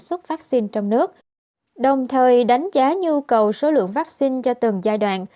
xuất vaccine trong nước đồng thời đánh giá nhu cầu số lượng vaccine cho từng giai đoạn